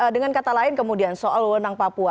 dengan kata lain kemudian soal wewenang papua